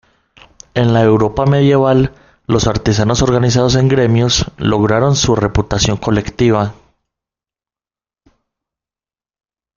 En la Europa medieval, los artesanos organizados en gremios lograron su reputación colectiva.